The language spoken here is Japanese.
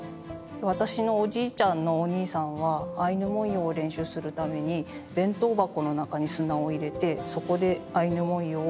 私のおじいちゃんのお兄さんはアイヌ文様を練習するために弁当箱の中に砂を入れてそこでアイヌ文様を描いていたと言ってます。